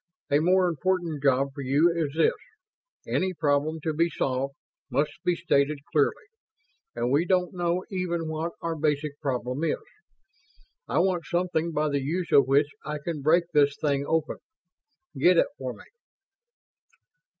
A more important job for you is this: Any problem, to be solved, must be stated clearly; and we don't know even what our basic problem is. I want something by the use of which I can break this thing open. Get it for me."